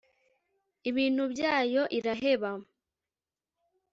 ibintu byayo iraheba